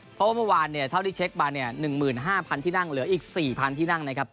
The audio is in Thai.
เพราะว่าเมื่อวานเนี่ยเท่าที่เช็คมาเนี่ย๑๕๐๐ที่นั่งเหลืออีก๔๐๐ที่นั่งนะครับ